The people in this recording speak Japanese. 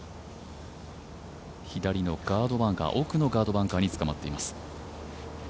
左のガードバンカー、奥のガードバンカーにつかまっています。